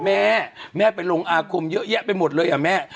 แม่แม่ไปลงอาคมเยอะแยะไปหมดเลยอ่ะแม่